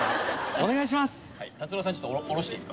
お願いします。